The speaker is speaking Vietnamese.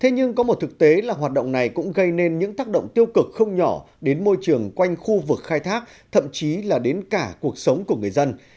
thế nhưng có một thực tế là hoạt động này cũng gây nên những tác động tiêu cực không nhỏ đến môi trường quanh khu vực khai thác thậm chí là đến cả cuộc sống của người dân